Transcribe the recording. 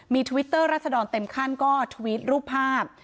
มีทวิตเตอร์รัศดรเต็มขั้นก็ทวิตรูปภาพ